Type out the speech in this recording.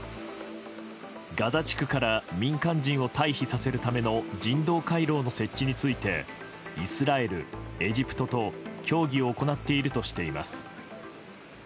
ガザ地区から民間人を退避させるための人道回廊の設置についてイスラエル、エジプトと協議を行っているとしています。